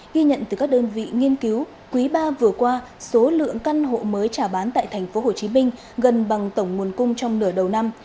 ghi nhận từ các đơn vị nghiên cứu quý ba vừa qua số lượng căn hộ mới trả bán tại tp hcm gần bằng tổng nguồn cung trong nửa đầu năm